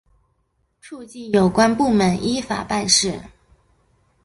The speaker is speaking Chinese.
促进有关部门依法办事